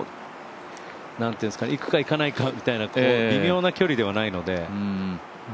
いくかいかないかみたいな微妙な距離ではないので。